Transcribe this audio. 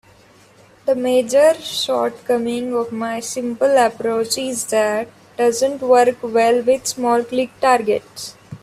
The major shortcoming of my simple approach is that it doesn't work well with small click targets.